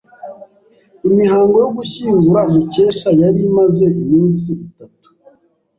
Imihango yo gushyingura Mukesha yari imaze iminsi itatu.